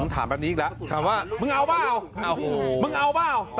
ถามว่ามึงเอาเปล่า